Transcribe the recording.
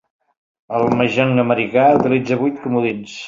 El mahjong americà utilitza vuit comodins.